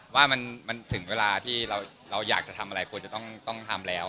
ว่ามันถึงเวลาที่เราอยากจะทำอะไรควรจะต้องทำแล้ว